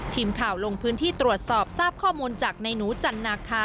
ทีมข่าวลงพื้นที่ตรวจสอบทราบข้อมูลจากในหนูจันนาคา